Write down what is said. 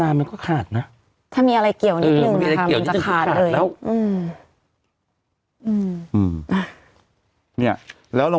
แต่หนูจะเอากับน้องเขามาแต่ว่า